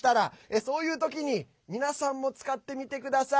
そういう時に皆さんも使ってみてください。